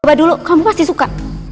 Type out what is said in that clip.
coba dulu kamu pasti suka